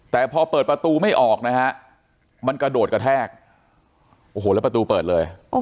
แต่พอเปิดประตูไม่ออกนะฮะมันกระโดดกระแทกโอ้โหแล้วประตูเปิดเลย